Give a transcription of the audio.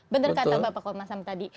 benar kata bapak komnas ham tadi